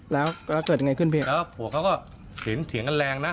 แล้วเกิดยังไงขึ้นเพลงแล้วผัวเขาก็เห็นเถียงกันแรงนะ